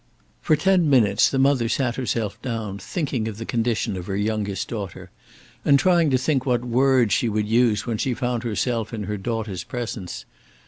For ten minutes the mother sat herself down, thinking of the condition of her youngest daughter, and trying to think what words she would use when she found herself in her daughter's presence.